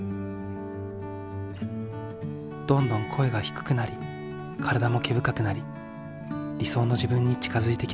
どんどん声が低くなり体も毛深くなり理想の自分に近づいてきた。